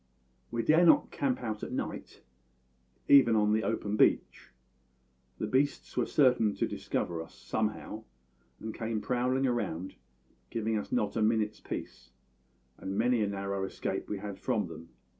"We dared not camp out at night, even on the open beach. The beasts were certain to discover us, somehow, and came prowling round, giving us not a minute's peace; and many a narrow escape we had from them.